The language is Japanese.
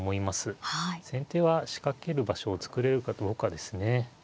先手は仕掛ける場所を作れるかどうかですね。